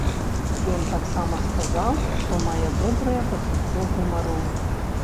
Ён таксама сказаў, што мае добрае пачуццё гумару.